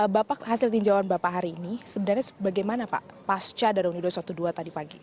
bapak hasil tinjauan bapak hari ini sebenarnya bagaimana pak pasca daruni dua ratus dua belas tadi pagi